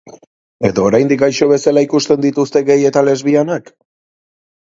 Edo oraindik gaixo bezala ikusten dituzte gay eta lesbianak?